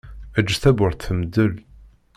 Eǧǧ tawwurt temdel.